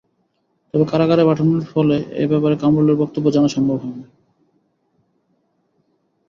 তবে কারাগারে পাঠানোর ফলে এ ব্যাপারে কামরুলের বক্তব্য জানা সম্ভব হয়নি।